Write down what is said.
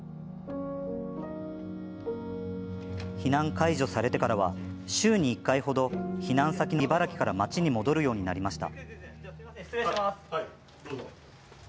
避難解除されてからは週に１回程、避難先の茨城から町に戻るようになりました。